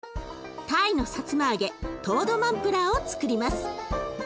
タイのさつま揚げトードマンプラーをつくります。